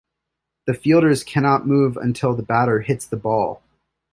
The fielders cannot move until the batter hits the ball.